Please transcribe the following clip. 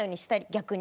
逆に。